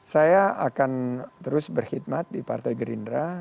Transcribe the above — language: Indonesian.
saya akan terus berkhidmat di partai gerindra